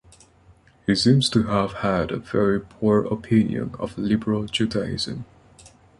He seems to have had a very poor opinion of liberal Judaism.